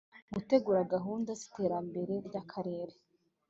gutegura gahunda z iterambere ry akarere